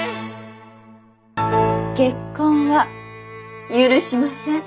結婚は許しません。